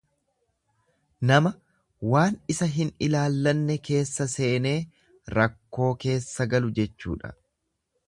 Nama waan isa hin ilaallanne keessa seenee rakkoo keessa galu jechuudha.